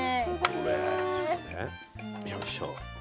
これちょっとねいきましょう。